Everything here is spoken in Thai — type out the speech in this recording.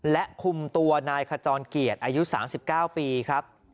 และคุมตัวนายขจรเกียรติอายุ๓๙ปีครับ